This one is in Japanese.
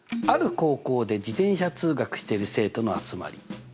「ある高校で自転車通学している生徒の集まり」。